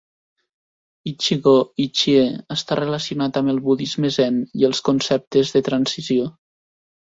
"Ichi-go ichi-e" està relacionat amb el budisme zen i els conceptes de transició.